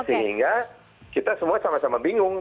sehingga kita semua sama sama bingung